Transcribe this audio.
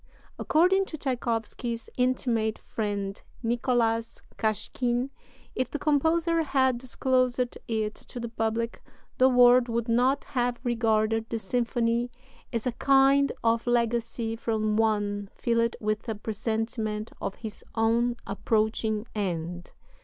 According to Tschaikowsky's intimate friend Nicholas Kashkin, "if the composer had disclosed it to the public, the world would not have regarded the symphony as a kind of legacy from one filled with a presentiment of his own approaching end."